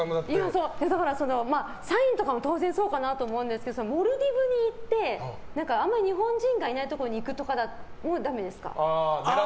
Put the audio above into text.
だからサインとかも当然そうかなと思うんですけどモルディブに行ってあんまり日本人がいないところに行くとかもダメですか。